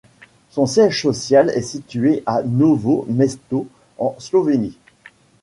Son siège social est situé à Novo Mesto, en Slovénie.